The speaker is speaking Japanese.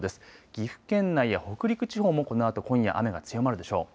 岐阜県内や北陸地方もこのあと今夜雨が強まるでしょう。